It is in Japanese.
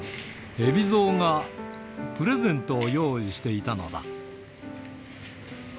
海老蔵がプレゼントを用意していたのだ。